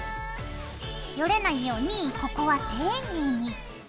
ヨレないようにここは丁寧に。